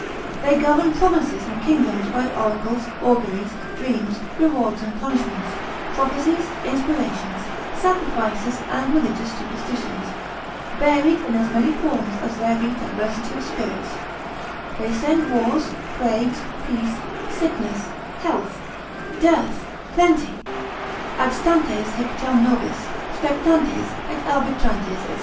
They govern provinces and kingdoms by oracles, auguries, dreams, rewards and punishments, prophecies, inspirations, sacrifices, and religious superstitions, varied in as many forms as there be diversity of spirits; they send wars, plagues, peace, sickness, health, dearth, plenty, Adstantes hic jam nobis, spectantes, et arbitrantes, &c.